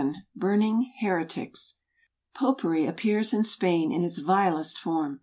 Burning Heretics . Popery appears in Spain in its vilest form.